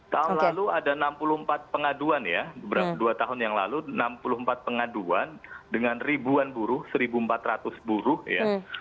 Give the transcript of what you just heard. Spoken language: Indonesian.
tahun lalu ada enam puluh empat pengaduan ya dua tahun yang lalu enam puluh empat pengaduan dengan ribuan buruh seribu empat ratus buruh ya